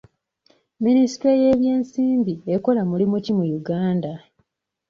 Minisitule y'ebyensimbi ekola mulimo ki mu Uganda?